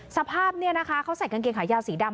สภาพนี้นะคะเขาใส่กางเกงขายาวสีดำ